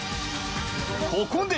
ここで。